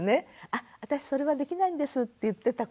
「あ私それはできないんです」って言ってた子がね